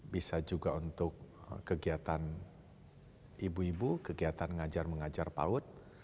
bisa juga untuk kegiatan ibu ibu kegiatan ngajar mengajar paut